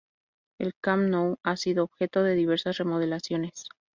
El Camp Nou ha sido objeto de diversas remodelaciones.